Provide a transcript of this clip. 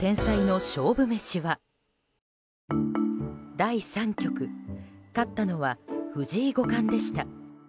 第３局勝ったのは、藤井五冠でした。